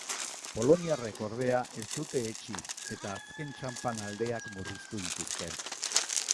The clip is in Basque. Poloniarrek, ordea, ez dute etsi eta azken txanpan aldeak murriztu dituzte.